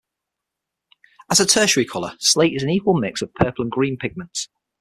As a tertiary color, slate is an equal mix of purple and green pigments.